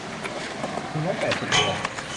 หนึ่งร้อยแปดสิบ เดือน